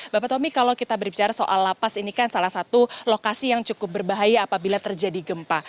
bapak tommy kalau kita berbicara soal lapas ini kan salah satu lokasi yang cukup berbahaya apabila terjadi gempa